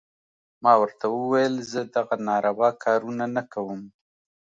ما ورته وويل زه دغه ناروا کارونه نه کوم.